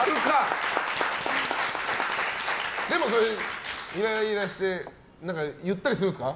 でもイライラして言ったりするんですか？